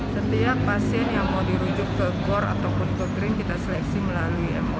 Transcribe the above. setiap pasien yang mau dirujuk ke gor ataupun ke green kita seleksi melalui